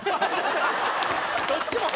どっちも変！